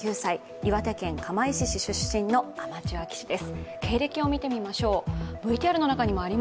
岩手県釜石市出身のアマチュア棋士です。